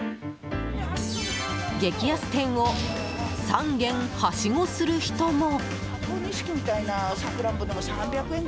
激安店を３軒はしごする人も！